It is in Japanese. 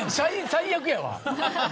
最悪やわ。